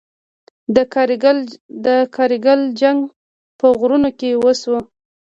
د کارګیل جنګ په غرونو کې وشو.